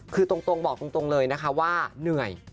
คือตรงบอกตรงเลยนะคะว่าเหนื่อย